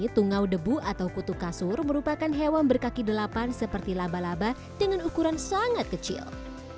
tungau debu atau kutu kasur merupakan hewan berkaki delapan seperti laba laba dengan ukuran sangat kecil